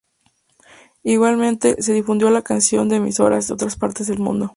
Igualmente, se difundió la canción en emisoras de otras partes del mundo.